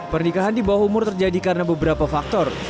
pernikahan di bawah umur terjadi karena beberapa faktor